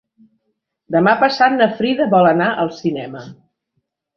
Demà passat na Frida vol anar al cinema.